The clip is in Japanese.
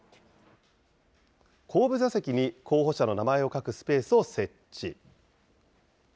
後部座席に候補者の名前を書くスペースを設置。